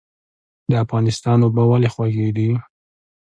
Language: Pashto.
د افغانستان اوبه ولې خوږې دي؟